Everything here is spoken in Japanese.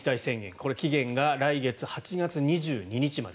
これ、期限が来月８月２２日まで。